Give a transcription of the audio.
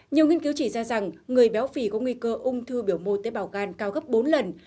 nhiều nghiên cứu chỉ ra rằng người béo phì có nguy cơ ung thư biểu mô tế bào gan cao gấp bốn lần